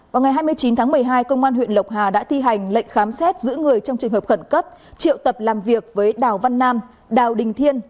vào ngày hai mươi chín tháng một mươi hai công an huyện lộc hà đã thi hành lệnh khám xét giữ người trong trường hợp khẩn cấp triệu tập làm việc với đào văn nam đào đình thiên